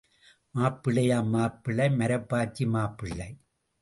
மாப்பிள்ளையாம் மாப்பிள்ளை மரப்பாச்சி மாப்பிள்ளை.